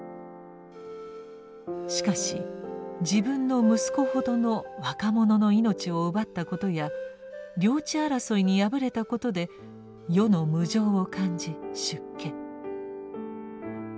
しかし自分の息子ほどの若者の命を奪ったことや領地争いに敗れたことで世の無常を感じ出家。